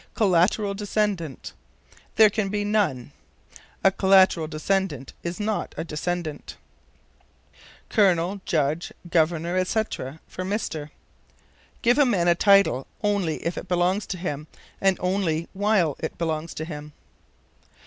Collateral Descendant. There can be none: a "collateral descendant" is not a descendant. Colonel, Judge, Governor, etc., for Mister. Give a man a title only if it belongs to him, and only while it belongs to him.